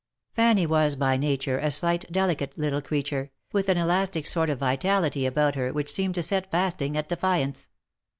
Fanny was by nature a slight delicate little creature, with an elastic sort of vitality about her which seemed to set fasting at defiance.